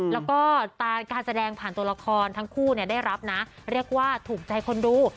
แล้วก็การแสดงผ่านตัวละครทั้งคู่ได้รับนะเรียกว่าถูกใจคนดู